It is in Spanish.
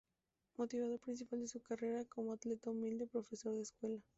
Motivador principal de su carrera como atleta el humilde profesor de escuela.